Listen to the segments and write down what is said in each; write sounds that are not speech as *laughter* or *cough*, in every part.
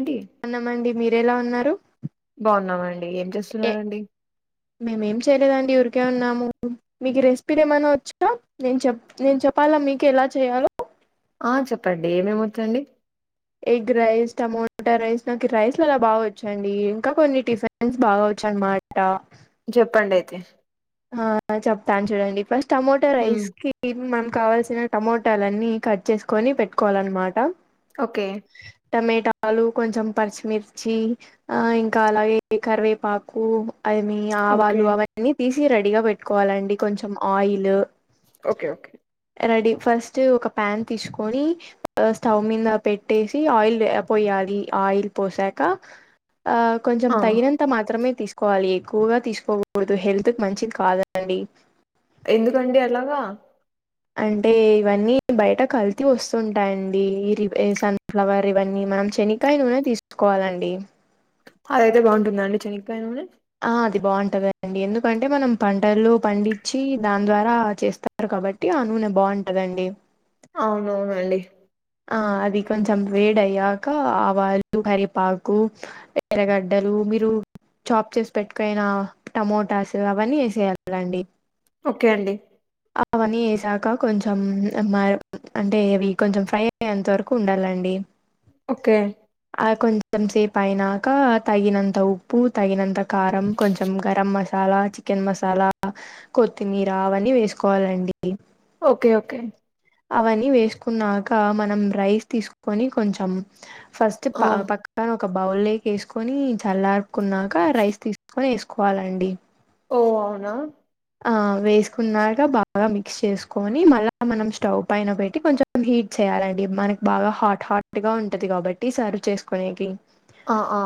ఏంటి న్నామండి మీరు ఎలా ఉన్నారు బాగున్నామండి ఏం ఏ చేస్తున్నారండి మేము ఏమి చేయలేదండీ ఉరికే ఉన్నాము మీకు రెసిపీలు ఏమైనా వచ్చా నేను చె నేను చెప్పాలా మీకు ఎలా చెయాలో ఆ చెప్పండి ఏమేమిొచ్చండి ఎగ్ రైస్ టమోటా రైస్ నాకు రైస్ అలా బాగా వచ్చండి ఇంకా కొన్ని టిఫిన్స్ బాగా వచ్చండి మాట చెప్పండి అయితే ఆ చెప్తాను చూడండి ఫస్ట్ టమోటా ఉమ్ రైస్ కి కావల్సిన టమోటాలన్నీ కట్ చేసుకొని పెట్టుకోవాలన్నమాట ఓకే టమాటాలు కొంచెం పచ్చిమిర్చి ఆ ఇంకా అలాగే కరివేపాకు అవి మీ ఓకే ఆవాలు అవన్నీ తీసి రెడీగా పెట్టుకోవాలండి కొంచెం oil okay okay ready first ఒక ప్యాన్ తీసుకని స్టవ్ మీద పెట్టేసి ఆయిల్ పోయాలి లి ఆయిల్ పోసాకా ఆ కొంచెం ఆ తగినంత మాత్రమే తీసుకోవాలి ఎక్కువగా తీసుకోకూడదు హెల్త్ కు మంచిది కాదండి ఎందుకండి అలాగా అంటే ఇవన్నీ బయట కల్తీ వస్తుంటాయిండి ఈ సన్ఫ్లవర్ ఇవన్నీ మనం శనకాయ నూనె తీసుకోవాలండి అది అయితే బాగుంటుంద అండి చెనకాయ నూనె ఆ అది బాగుంటుందిండి ఎందుకంటే మనం పంటల్లో పండించి దాని ద్వారా చేస్తారు కాబట్టి నూనె బాగుంటదండి అవునవునుండి ఆ అది కొంచెం వేడ అయ్యాక ఆవాలు కరిపాకు ఎరగడ్డలు మీరు చాప్ చేసి పెట్టుకుయిన టమోటాస్ అవన్నీ వేసేయాలండి ఓకే అండి అవన్నీ వేసాక కొంచెం అంటే అవి కొంచెం ఫ్రై అంత వరకు ఉండాలండి ఓకే కొంచెం సేపు అయినాక తగినంత ఉప్పు తగినంత కారం కొంచెం గరం మసాలా లా చికెన్ మసాలా కొత్తిమీర అవన్నీ వేసుకోవాలండి ఓకే ఓకే అవన్నీ వేసుకున్నాక మనం రైస్ తీసుకొని కొంచెం ఫస్ట్ ఆ ప పక్కన ఒక బౌల్ లోకి యేసుకొని చల్లార్పుకున్నాక రైస్ తీసుకొని యేసుకోవాలండి ఓ అవునా ఆ వేసుకున్నాక బాగా మిక్స్ చేసుకొని మళ్ళా మనం స్టవ్ పైన పెట్టి కొంచెం హీట్ చేయాలండి మనకి బాగా హాట్ హాట్ గా ఉంటది కాబట్టి సర్వ్ చేసుకోనేకి ఆ ఆ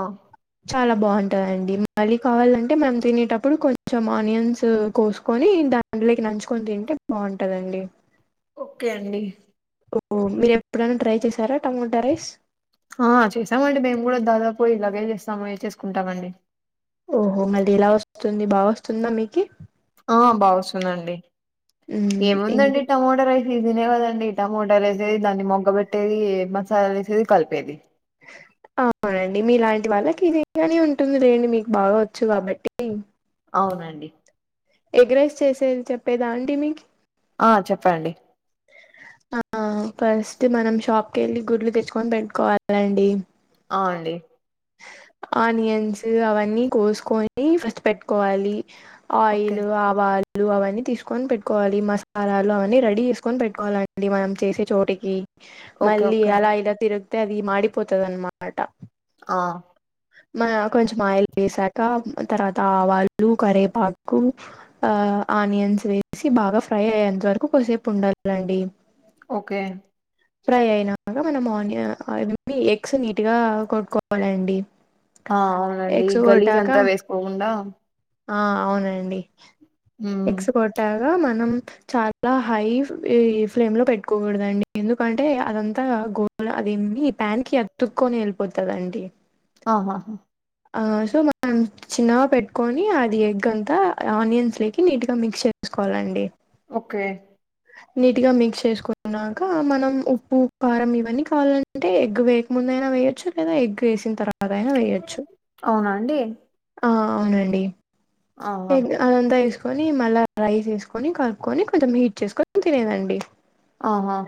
చాలా బాగుంటదండి మళ్ళీ కావాలంటే మనం తినేటప్పుడు కొంచెం ఆనియన్స్ కోసుకొని దాంట్లోకి నంచుకొని తింటే బాగుంటదండి ఓకే అండి ఓహో మీరు ఎప్పుడైనా ట్రై చేసారా టమోటా రైస్ ఆ చేసామండి మేము గూడా దాదాపు ఇలాగే చే చేస్తాము చేసుకుంటామండి ఓహో మళ్ళీ ఎలా వస్తుంది బాగా వస్తుందా మీకి ఆ బాగ వస్తుందండి మ్మ్ ఇంగ్ ఏముందండి టమోట రైస్ సీజనే గదండి టమోటాలు యేసేది దాన్ని మొగ్గ బెట్టేది మసాలాలు యేసేది కలిపేది అవునండి మీలాంటి వాళ్ళకి ఇది ఇట్లనే ఉంటుందిలేండి మీకు బాగ వచ్చు గాబట్టి అవునండి ఎగ్రైస్ చేసేది చెప్పేదా అండి మీకి ఆ చెప్పండి ఆ ఫస్ట్ మనం షాప్ కెళ్ళి గుడ్లు తెచ్చుకొని పెట్టుకోవాలండి ఆ అండి ఆనియన్స్ అవన్నీ కోసుకొని ఫస్ట్ పెట్టుకోవాలి ఓకే ఆయిలు ఆవాలు అవన్ని తీసుకొని పెట్టుకోవాలి మసాలాలు అవన్నీ రెడీ చేసుకొని పెట్టుకోవాలండి మనం చేసే చోటికి ఓకే మళ్ళీ ఓకే అలా ఇలా తిరుగితే అది మాడిపోతది అన్నమాట ఆ మన కొంచెం ఆయిలు వేసాక తర్వాత ఆవాలు కరేపాకు ఆ ఆనియన్స్ వేసి బాగా ఫ్రై అయ్యేంత వరకు కొంసేపు ఉండాలండి ఓకే ఫ్రై అయినాక మనం ఆనియ ఎగ్స్ నీట్ గా కొట్టుకోవాలండి ఆ అవునండి ఎగ్స్ గలీజ్ కొట్టాక అంతా వేసుకోకుండా ఆ అవునండి మ్మ్ ఎగ్స్ కొట్టాగా మనం చాలా హై ఫ్రేమ్ లో పెట్టుకోకూడదండి ఎందుకంటే అదంతా గోల్ ఏంది ప్యాన్ కి అతుక్కొని యెళ్ళిపోతదండి ఆహాహా ఆ సో మనం చిన్నగా పెట్టుకొని అది ఎగ్ అంతా ఆనియన్స్ లేక్ నీట్గా మిక్స్ చేసుకోవాలండి ఓకే నీట్గా మిక్స్ చేసుకున్నాక మనం ఉప్పు కారం ఇవన్నీ కావాలంటే ఎగ్ వేయకముందే లేదా వేయొచ్చు లేదా ఎగ్ యేసిన తర్వాత అదైనా వేయొచ్చు అవునా అండి ఆ అవునండి ఆహా ఏం అదంతా యేస్ కొని మళ్ళా రైస్ యేసుకొని కలుపుకొని కొంచెం హీట్ చేసుకొని తినేదండి ఆహా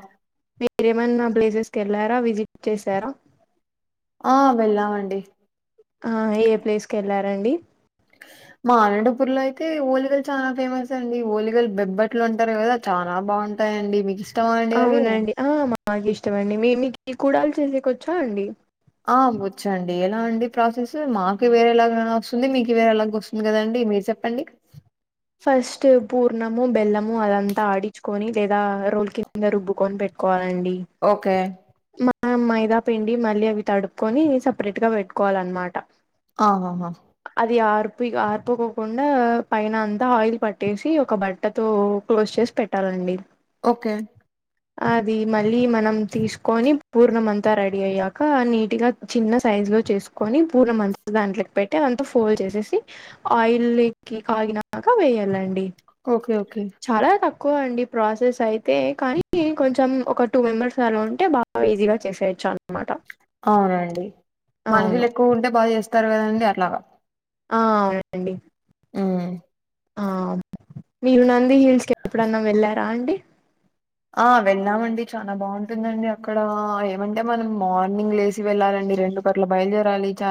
మీరేమైన్నా ప్లేసెస్కి ఎళ్ళారా విజిట్ చేసారా ఆ వెళ్ళామండి ఆ ఏ ప్లేస్కి వెళ్లారండి మా అనంతపూర్ లో అయితే ఒలిగలు చాల ఫేమస్ అండి ఒలిగలు బెబ్బట్లు అంటారు కద చాలా బాన్ అవునండి ఆ మాకు ఇష్టమండి మీ మీకు కూడలు చేసేకొచ్చా అండి ఆ వచ్చండి ఎల అండి ప్రాసెస్ మాకి వేరే లాగ వస్తుంది మీకు వేరే లాగ ఒస్తుంది కదండి మీరు చెప్పండి ఫస్ట్ పూర్ణము బెల్లము అదంత ఆడిచుకొని లేదా రోల్ కింద రుబ్బుకొని పెట్టుకోవ అండి ఓకే. మా మైద పిండి మళ్ళీ అవి తడుపుకొని సపరేట్గా పెట్టుకోవాలన్నమాట ఆహాహా అది ఆర్పి ఆర్పుకోకుండా పైన ఆయిల్ పట్టేసి ఒక బట్టతో క్లోజ్ చేసి పెట్టాలండి ఒకే అది మళ్ళీ మనం తీసుకొని పూర్ణమం త రెడీ అయ్యాక నీట్గా చిన్న సైజ్ లో చేసుకొని పూర్ణ మంత దాంట్లోకి పెట్టి అదంత ఫోల్డ్ చే ఆయిలేకి కాగినక వేయాలండి ఒకే ఒకే ఎక్కువ అండి ప్రాసెస్ అయితే కానీ కొంచెం ఒక టూ మెంబర్స్ అలా ఉంటే బాగ ఈజీగా చేసే *unintelligible* అవునండి మనుషులు అవును ఎక్కువ ఉంటే బాగ చేస్తారు కదండి అట్లాగ ఆ అవునండి ఉ ఆ మీరు నంది హిల్స్ కి ఎప్పుడన్నా వెళ్ళారా అండి ఆ విన్నామండి చాలా బాగుంటుందండి అక్కడా ఏమంటే మనం మార్నింగ్ లే సి వెళ్ళాలండి రెండు కట్ల బయలుదేరాలి చ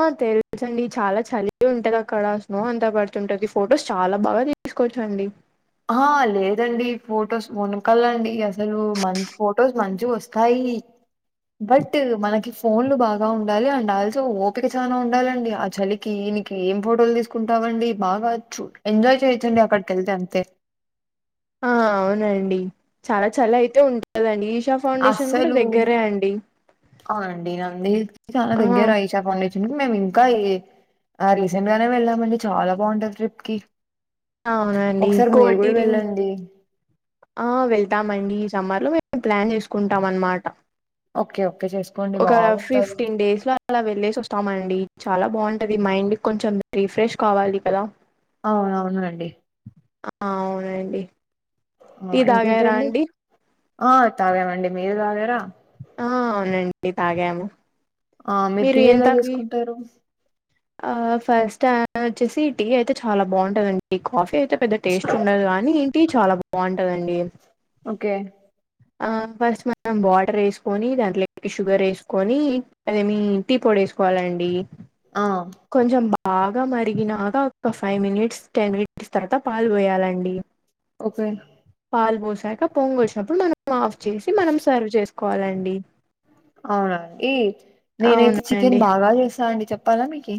ఆ తెలిసండి చాల చలి ఉంటది అక్కడ స్నో అంతా పడుతుంటది ఫొటోస్ చాలా బాగా తీసుకోవచ్చు అండి ఆ లేదండి ఫొటోస్ వనకాలండి అసలు మంచి ఫొటోస్ మంచి వస్తా యీ బట్ మనకి ఫోన్లు బాగ ఉండాలి అండ్ ఆల్సో ఓపిక చనా ఉండాలండి ఆ చలికి దీనికి ఏం ఫోటోలు తీసుకుంటామండి బాగ ఎంజాయ్ చేయొచ్చండి అక్కడికి వెళ్తే అంతే ఆ అవునండి చాల చలి అయితే ఉంటదండి ఈశ ఫౌండేషన్ కూడ అస్సలు దగ్గరే అండి అవునండి అండి నంది హిల్స్ కి చాల ఆ దగ్గర ఈశ *unintelligible* మేము ఇంక ఈ రీసెంట్ గానే వెళ్ళాంమండి చాల బాగుంటది ట్రిప్ కి అవునండి ఒకసారి మీరు కూడ కోటిలింగ్ వెళ్ళండి సమ్మర్లో మేము ప్లాన్ చేసుకుంటాం అనమాట ఓకే. ఓకే. చేసుకోండి ఒక బావుంటది. ఫిఫ్టీన్ డేస్ అల వెళ్లేేసి వస్తామండి చాల బాగుంటది మైండ్ కొంచెం రిఫ్రెష్ కావాలి కదా అవునవునండి. అవునండి ఆ! టి తగార ఇంకేంటండి? అండి ఆ తాగమండి మీరు తగార ఆ అవునండి తాగాము ఆ మీరు టీ ఎలా చేసుకుంటారు ఆ ఫస్ట్ వచ్చేసి టీ అయితే చాలా బాగుంటదండి కాఫీ అయితే పెద్ద టేస్ట్ ఉండదు కాని ఏంటి చాలా బాగుంటదండి ఓకే ఆ ఫస్ట్ మనం వాటర్ వేసుకొని దాంట్లో షుగర్ వేసుకొని అదేమి టీ పొడి చేసుకోవాలండి ఆ! కొంచెం బాగా మరిగినాక ఒక ఫైవ్ మినిట్స్ టెన్ మినిట్ తర్త పాలు పోయాలండి ఓకే. పాలు పోసి క పొంగు వచ్చినప్పుడు మనం ఆఫ్ చేసి మనం సర్వ్ చేసుకోవాలండి అవునండి ఇ నేనైతే అవునండి చికెన్ బాగా చేసా అండి చెప్పాలా మీకి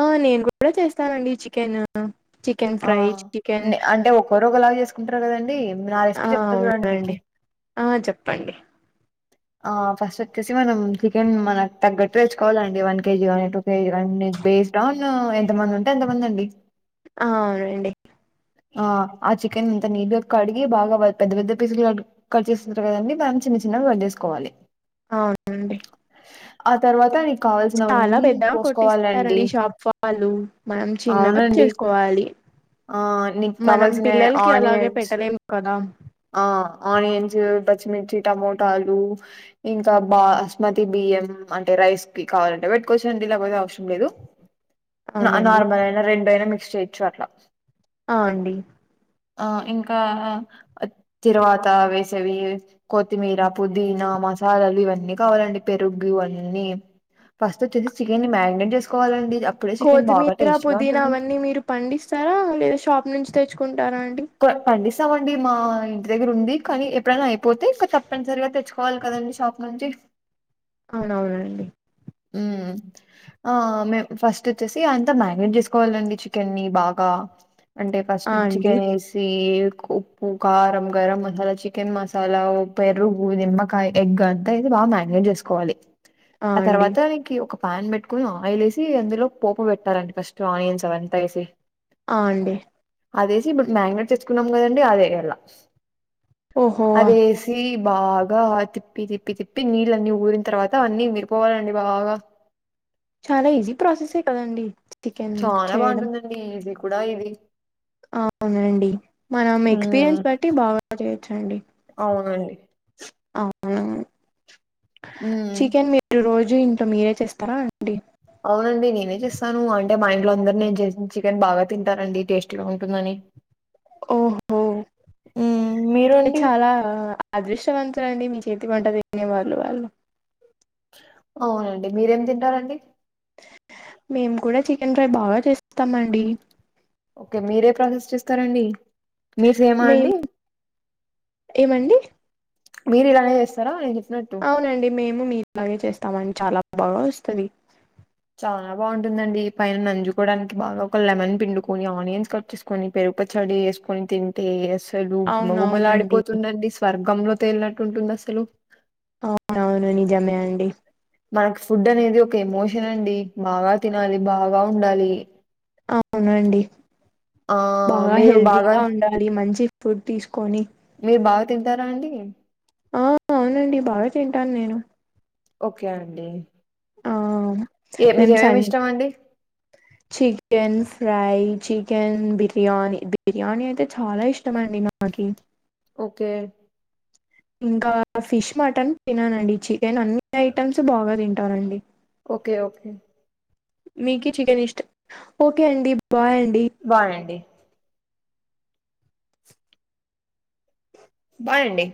ఆ నేను కూడా చేస్తానండి చికెన్ చికెన్ ఆ ఫ్రై చికెన్ అంటే ఒకరు ఒకలాగ చేసుకుంటారు కదండి డి నా లిస్ట్ ఆ చెప్తా చూడండి మీకి అవునండి ఆ చెప్పండి ఆ ఫస్ట్ వచ్చేసి మనం చికెన్ మనకు తగ్గట్టు తే చ్చుకోవాలండి వన్ కేజీ *unintelligible* బేస్డ్ ఆన్ ఎంతమంది ఉంటే అంత మంది అండి ఆ అవునండి ఆ ఆ చికెన్ ఇంత నీట్గా కడిగి బాగా పెద్ద పెద్ద పీసులు క కట్ చేస్తుంటారు కదండి మంచి చినా వడ్డేసుకోవాలి అవునండి ఆ తర్వాత చాలా కావాల్సినవన్నీ పెద్దగా కోసుకోవాలండి కొట్టిస్తారండి షాప్ వాళ్ళు మనం చిన్నగా అవునండి చేసుకోవాలి ఆ నీకు మనం కావాల్సిన పిల్లలకి అలాగే ఆనియన్స్ పెట్టలేము కదా ఆ ఆనియన్స్ పచ్చిమిర్చి టమోటాలు ఇంకా బాస్మతి బియ్యం యం అంటే రైస్ కి కావాలంటే పెట్టుకోవచ్చండి లేకపోతే అవసరం లేదు అవునండి నార్మల్ అయినా రెండు అయినా మిక్స్ చేయొచ్చు అట్లా అ అండి ఆ ఇంకా తిరువాత వేసేవి కొత్తిమీర పుదీనా మసాలాలు ఇవన్నీ కావాలండి పెరుగు అన్ని ఫస్ట్ వచ్చేసి చికెన్ నీ మారినేట్ చేసుకోవాలండి అప్పుడే చికెన్ బాగా కొత్తిమీర టేస్టీగా పుదీనా ఉంటుంది. అవన్నీ మీరు పండిస్తారా లేదా షాప్ నుంచి తెచ్చుకుంటారా అండి పండిస్తామండి మా ఇంటి దగ్గర ఉంది కానీ ఎప్పుడైనా అయిపోతే ఇక తప్పనిసరిగా తెచ్చుకోవాలి కదండి షాప్ నుంచి అవునవుననండి ఉం ఆ మేం ఫస్ట్ వచ్చేసి అంతా మ్యారినేట్ చేసుకోవాలండి చికెన్ని బాగా అంటే ఫస్ట్ ఆ అండి చికెన్ వేసి ఉప్పు కారం గరం మసాలా చికెన్ మసాలా ఉ పెరుగు నిమ్మకాయ ఎగ్ అంతా ఇది బాగా మారినేట్ చేసుకోవాలి ఆ తర్వాత ఒక పాన్ పెట్టుకుని ఆయిల్ వేసి అందులో పోపు పెట్టాలండి ఫస్ట్ ఆనియన్స్ అవంతా వేసి అ అండి అదేసి ఇప్పుడు మ్యారినెట్ చేసుకున్నాం కదండి అదేయలా ఓహో అదేసి బాగా తిప్పి తిప్పి తిప్పి నీళ్ళ అన్ని ఊరిన తర్వాత అన్ని విరిపోవాలండి బాగా చాలా ఈజీ ప్రాసెసే కదండి చికెన్ చాలా బాగుంటుందండి ఈజీ కూడా ఇది అ అవునండి మనం హ్మ్. ఎక్స్పీరియన్స్ బట్టి బాగా చేయొచ్చండి అండి ఆ చికెన్ మీరు రోజు ఇంట్లో మీరే చేస్తారా అండి అవునండి నేనే చేస్తాను అంటే మా ఇంట్లో అందరు నేను చేసిిన చికెన్ బాగా తింటారండి టేస్ట్ గా ఉంటుందని ఓహో హ్మ్. మీరు అండి చాలా అదృష్టవంతులండి చేతి వంట తినే వాల్లు వాళ్ళు అవునండి మీరేం తింటారండి మేము కూడా చికెన్ ఫ్రై బాగా చేస్తామండి ఓకే మీరే ప్రాసెస్ చేస్తారండి మీ ఫేమ్ ఆ అండి మేము ఏమండి మీరు ఇలానే చేస్తారా ఇది అవునండి మేము మీలాగే చేస్తామండి చాలా బాగా వస్తుంది చాలా బాగుంటుందండి పైన నంచుకోవడానికి బాగా ఒక లెమన్ పిండుకొని ఆనియన్స్ కట్ చేేసుకుని పెరుగు పచడి వేసుకొని తింటే అసలు గుమ్మగుమలా అవునవునండి ఆడిపోతుందండి స్వర్గంలో వెళ్లిినట్టు ఉంటుంది అసలు అవును అవును నిజమే అండి మకి ఫుడ్ అనేది ఒక ఎమోషన్ అండి బాగా తినాలి బాగా ఉండాలి అవునండి ఆ బాగా మీరు బాగా హెల్తీగా ఉండాలి మంచి ఫుడ్ తీసుకొని మీరు బాగా తింటారా అండి ఆ అవునండి బాగా తింటాను నేను ఓకే అండి ఏ మేమ్ స మీకేమేమి ఇష్టం అండి chickens fry chicken biryani biryani అయితే చాలా ఇష్టమ అండి నాకి ఓకే ఇంకా ఫిష్ మటన్ తిననండి చికెన్ అన్ని ఐటమ్స్ బాగా తింటానండి ఓకే ఓకే మీకు చికెన్ ఇష్టం ఓకే అండి బాయ్ అండి బాయ్ అండి బాయ్ అండి